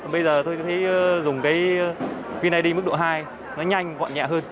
bây giờ tôi thấy dùng cái vneid mức độ hai nó nhanh gọn nhẹ hơn